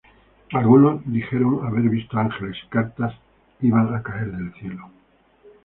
Algunos dijeron haber visto ángeles, y cartas iban a caer del cielo.